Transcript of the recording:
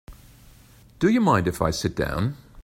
Do you mind if I sit down?